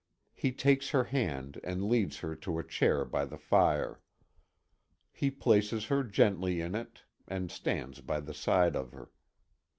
He takes her hand and leads her to a chair by the fire. He places her gently in it, and stands by the side of her.